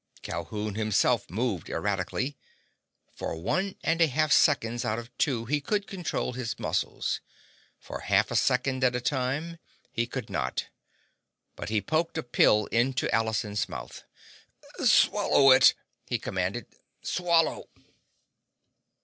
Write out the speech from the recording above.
Calhoun himself moved erratically. For one and a half seconds out of two, he could control his muscles. For half a second at a time, he could not. But he poked a pill into Allison's mouth. "Swallow it!" he commanded. "Swallow!"